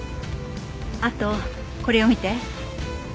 あとこれを見て。